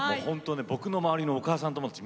僕の周りのお母さんたち